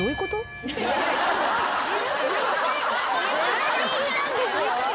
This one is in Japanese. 自分で聞いたんですよ。